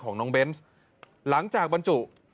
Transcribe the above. ของน้องเบนส์หลังจากบรรจุ